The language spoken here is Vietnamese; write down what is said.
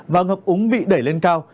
và ngập úng bị đẩy lên cao